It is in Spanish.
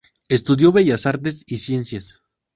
Estudió bellas artes y ciencias.